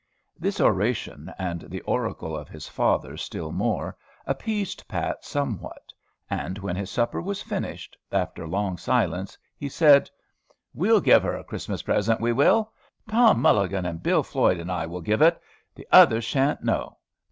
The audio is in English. This oration, and the oracle of his father still more, appeased Pat somewhat; and when his supper was finished, after long silence, he said, "We'll give her a Christmas present. We will. Tom Mulligan and Bill Floyd and I will give it. The others sha'n't know.